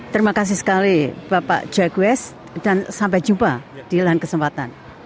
terima kasih sekali bapak jagues dan sampai jumpa di lain kesempatan